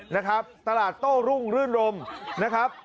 นะครับตลาดโต้รุ่งรื่นรมนะครับ